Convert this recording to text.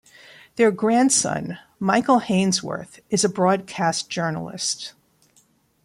Their grandson, Michael Hainsworth, is a broadcast journalist.